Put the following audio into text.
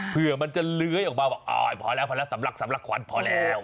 เพื่อมันจะเลื้อออกมาพอแล้วสำลักควันพอแล้ว